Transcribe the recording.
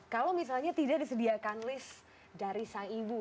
kalau misalnya tidak disediakan list dari sang ibu